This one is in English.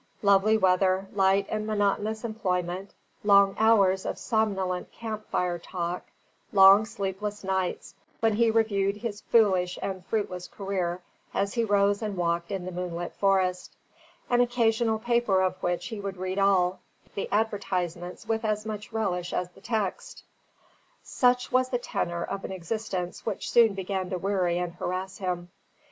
Lovely weather, light and monotonous employment, long hours of somnolent camp fire talk, long sleepless nights, when he reviewed his foolish and fruitless career as he rose and walked in the moonlit forest, an occasional paper of which he would read all, the advertisements with as much relish as the text: such was the tenor of an existence which soon began to weary and harass him.